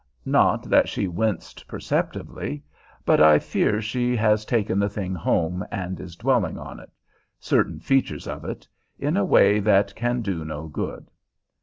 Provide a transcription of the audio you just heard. Not that she winced perceptibly; but I fear she has taken the thing home, and is dwelling on it certain features of it in a way that can do no good.